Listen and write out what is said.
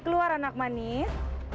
keluar anak manis